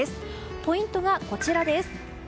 ポイントがこちらです。